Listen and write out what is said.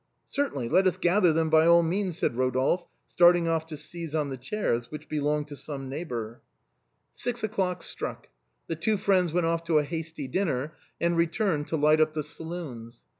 " Certainly, let us gather them by all means," said Eo dolphe, starting off to seize on the chairs, which belonged to some neighbor. Six o'clock struck; the two friends went off to a hasty dinner, and returned to light up the saloons.